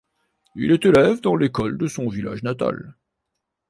Il est élève dans l'école de son village natal.